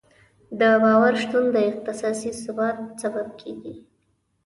د باور شتون د اقتصادي ثبات سبب کېږي.